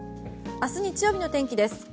明日、日曜日の天気です。